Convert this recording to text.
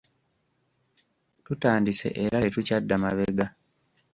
Tutandise era tetukyadda mabega.